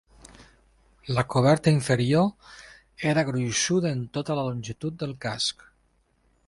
La coberta inferior era gruixuda en tota la longitud del casc.